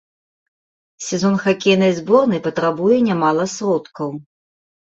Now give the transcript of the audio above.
Сезон хакейнай зборнай патрабуе нямала сродкаў.